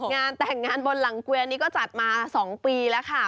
งานแต่งงานบนหลังเกวียนนี้ก็จัดมา๒ปีแล้วค่ะ